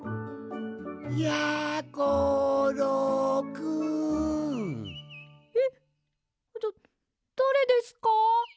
・やころくん！えっだだれですか？